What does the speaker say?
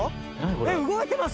えっ動いてます